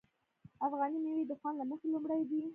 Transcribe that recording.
افغاني میوې د خوند له مخې لومړی دي.